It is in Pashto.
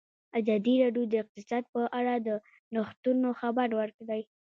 ازادي راډیو د اقتصاد په اړه د نوښتونو خبر ورکړی.